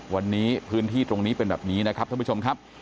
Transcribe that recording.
วันนี้พื้นที่ตรงนี้เป็นแบบนี้นะครับท่านผู้ชมครับ